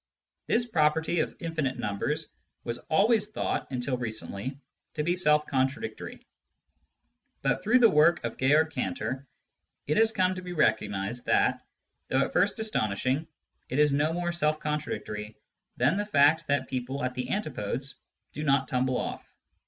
This property of infinite numbers was always thought, until recently, to be self contradictory ; but through the work of Georg Cantor it has come to be recognised that, though at first astonishing, it is no more self contradictory than the fact that people at the antipodes do not tumble off.